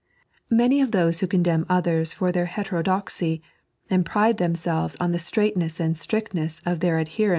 Many of those who condemn others for their heterodoxy, and pride them selves on the straitness and strictness of their adherence 3.